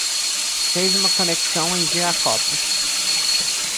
Fez uma conexão em Viracopos